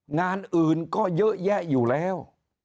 งานอื่นก็เยอะแยะอยู่แล้ว